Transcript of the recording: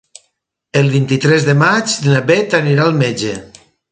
El vint-i-tres de maig na Beth anirà al metge.